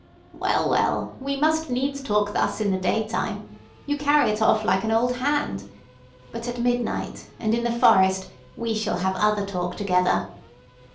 "Well, well! we must needs talk thus in the daytime! You carry it off like an old hand! But at midnight, and in the forest, we shall have other talk together!"